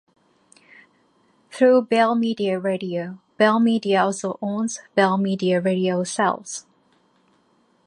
Through Bell Media Radio, Bell Media also owns Bell Media Radio Sales.